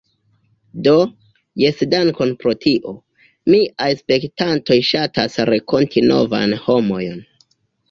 Do, jes dankon pro tio. Miaj spektantoj ŝatas renkonti novajn homojn